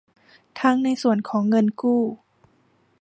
ทั้งในส่วนของเงินกู้